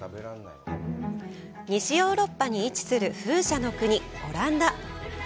西ヨーロッパに位置する風車の国オランダ。